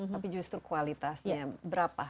tapi justru kualitasnya berapa